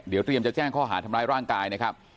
เดี๋ยวเตรียมจะแจ้งข้อหาทำร้ายร่างกายนะครับ